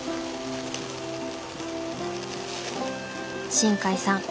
新海さん